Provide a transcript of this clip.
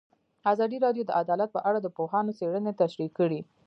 ازادي راډیو د عدالت په اړه د پوهانو څېړنې تشریح کړې.